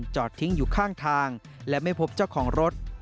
จอดทิ้งอยู่ข้างทางและไม่พบเจ้าของรถ